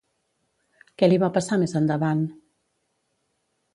Què li va passar més endavant?